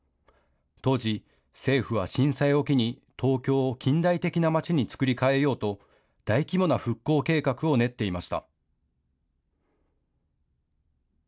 当時、政府は震災を機に東京を近代的なまちにつくり替えようと大規模な復興計画を練っていました。